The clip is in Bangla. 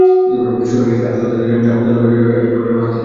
শুনানি শেষে আদালত তাঁদের জামিন আবেদন নাকচ করে কারাগারে পাঠানোর আদেশ দেন।